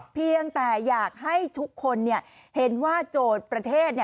เพียงแต่อยากให้ทุกคนเห็นว่าโจทย์ประเทศ